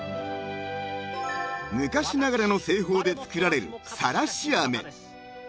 ［昔ながらの製法で作られるさらし飴］